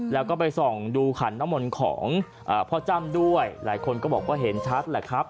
แล้วก็ไปส่องดูขันน้ำมนต์ของพ่อจ้ำด้วยหลายคนก็บอกว่าเห็นชัดแหละครับ